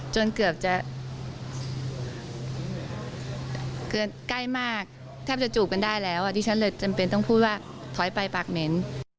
จนเกือบจะคือใกล้มากแทบจะจูบกันได้แล้วดิฉันเลยจำเป็นต้องพูดว่าถอยไปปากเหม็น